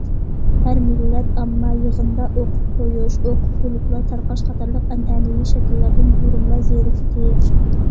ھەر مىللەت ئامما‹‹ يىغىندا ئوقۇپ قويۇش، ئوقۇپ بولۇپلا تارقاش›› قاتارلىق ئەنئەنىۋى شەكىللەردىن بۇرۇنلا زېرىكتى.